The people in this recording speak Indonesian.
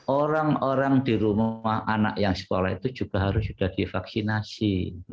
orang orang di rumah anak yang sekolah itu juga harus sudah divaksinasi